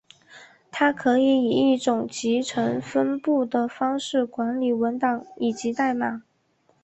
它可以以一种集成分布的方式管理文档以及代码。